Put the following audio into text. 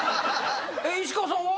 えっ石川さんは？